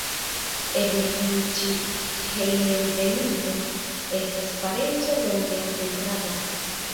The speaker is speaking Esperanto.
Eble tiu ĉi hejmenveninto estas parenco longe atendata.